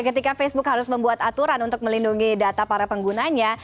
ketika facebook harus membuat aturan untuk melindungi data para penggunanya